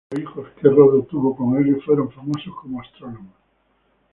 Los hijos que Rodo tuvo con Helios fueron famosos como astrónomos.